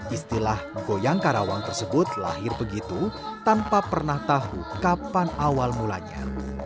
istilah goyang karawang tersebut lahir begitu tanpa pernah tahu kapan awal mulanya